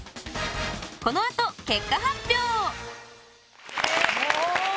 このあと、結果発表！